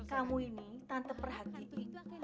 kamu ini tante perhatian